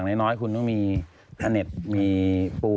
เริ่มต้องมีแฮเนทมีปู